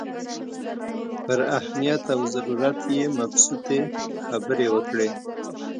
پر اهمیت او ضرورت یې مبسوطې خبرې وکړې.